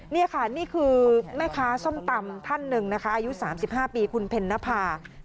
นี่ค่ะนี่คือแม่ค้าส้มตำท่านหนึ่งนะคะอายุ๓๕ปีคุณเพ็ญนภา